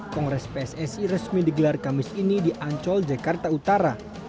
kongres pssi resmi digelar kamis ini di ancol jakarta utara